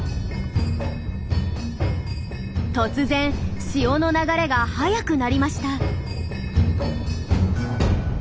突然潮の流れが速くなりました。